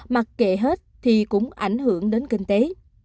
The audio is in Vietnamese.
mà kệ hết thì cũng ảnh hưởng đến kinh tế